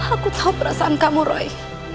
aku tahu perasaan kamu roy